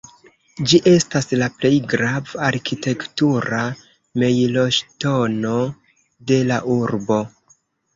Ĝi estas la plej grava arkitektura mejloŝtono de la urbo.